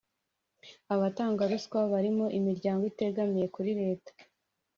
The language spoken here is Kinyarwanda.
abatanga ruswa barimo Imiryango itegamiye kuri leta